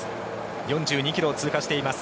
４２ｋｍを通過しています。